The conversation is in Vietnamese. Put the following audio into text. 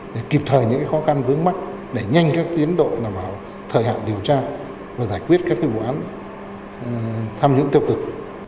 để kịp thời những khó khăn vướng mắt để nhanh các tiến đội vào thời hạn điều tra và giải quyết các vụ án tham nhũng tiêu cực